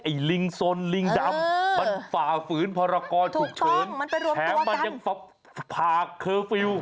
อ๋อไอ้ลิงสนลิงดำเออมันฝ่าฝืนพรากรถูกเฉินถูกต้องมันไปรวมตัวกันแถวมันยังฝากเคอร์ฟิลล์